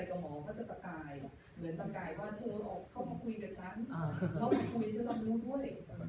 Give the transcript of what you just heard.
แต่กับหมอเขาจะตะกายเหมือนตะกายว่าเธอเข้ามาคุยกับฉันเข้ามาคุยจะต้องรู้ด้วย